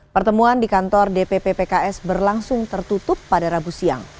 pertemuan di kantor dpp pks berlangsung tertutup pada rabu siang